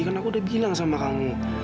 karena aku udah bilang sama kamu